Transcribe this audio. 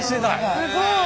すごい。